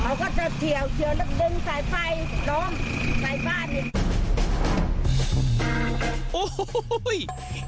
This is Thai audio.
เราก็จะเฉียวแล้วดึงใส่ไฟลงใส่บ้าน